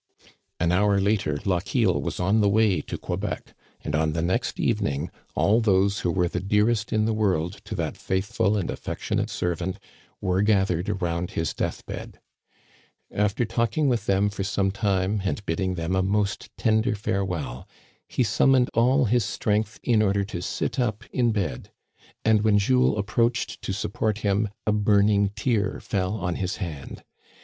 An hour later Lochiel was on the way to Quebec, and on the next evening all those who were the dearest in the world to that faithful and affectionate servant were gathered around his death bed. After talking with them for some time and bidding them a most ten der farewell, he summoned all his strength in order to sit up in bed, and when Jules approached to support him, a burning tear fell on his hand.